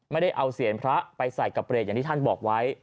ไม่ได้เอาเสียงพระไปใส่กับเบรกอย่างที่ท่านบอกไว้